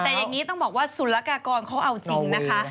แต่อย่างนี้ต้องบอกว่าสุรกากรเขาเอาจริงนะคะ